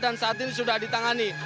dan saat ini sudah ditangani